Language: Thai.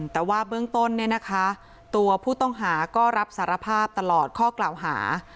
แต่ว่าเบื้องต้นเนี่ยนะคะตัวผู้ต้องหาก็รับสารภาพตลอดข้อกล่าวหา